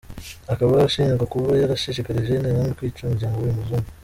Akaba ashinjwa kuba yarashishikarije interahamwe kwica umuryango w’uyu muzungu.